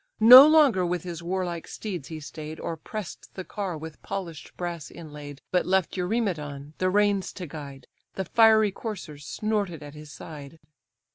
No longer with his warlike steeds he stay'd, Or press'd the car with polish'd brass inlaid But left Eurymedon the reins to guide; The fiery coursers snorted at his side.